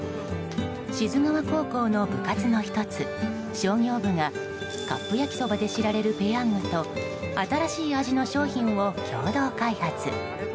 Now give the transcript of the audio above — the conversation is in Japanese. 志津川高校の部活の１つ商業部がカップ焼きそばで知られるペヤングと新しい味の商品を共同開発。